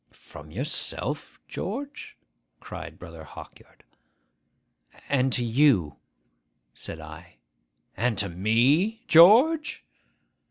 'From yourself, George?' cried Brother Hawkyard. 'And to you,' said I. 'And to me, George?